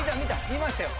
見ましたよ。